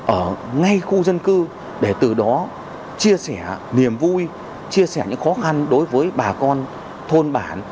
ở ngay khu dân cư để từ đó chia sẻ niềm vui chia sẻ những khó khăn đối với bà con thôn bản